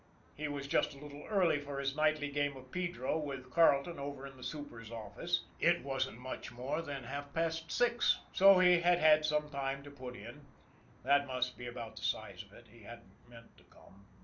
He was just a little early for his nightly game of pedro with Carleton over in the super's office it wasn't much more than half past six so he had had some time to put in that must be about the size of it. He hadn't meant to come.